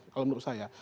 kalau menurut saya